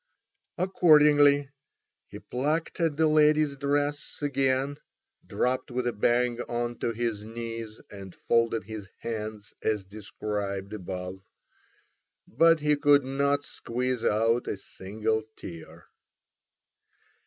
Accordingly he plucked at the lady's dress again, and when she turned round, dropped with a bang on to his knees, and folded his hands as described above. But he could not squeeze out a single tear!